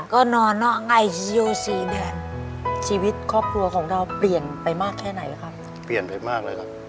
ก็นอนนอกไอโยสี่เดือนชีวิตครอบครัวของเราเปลี่ยนไปมากแค่ไหนครับเปลี่ยนไปมากเลยครับ